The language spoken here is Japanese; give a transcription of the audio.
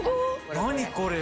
何これ。